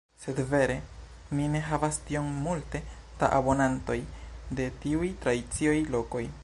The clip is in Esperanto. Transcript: Sed vere mi ne havas tiom multe da abonantoj de tiuj tradicioj lokoj.